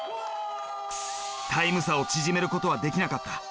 タイム差を縮めることはできなかった。